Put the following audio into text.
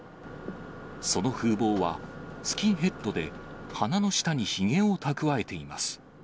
その風貌は、スキンヘッドで、鼻の下にひげを蓄えています。